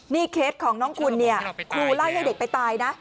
นี่เคสของน้องคุณเนี่ยครูไล่ให้เด็กไปตายนะ